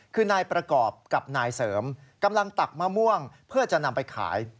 คือนายประกอบกับนายเสริมกำลังตักมะม่วงเพื่อจะนำไปขาย